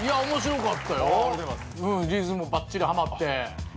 リズムばっちりはまって。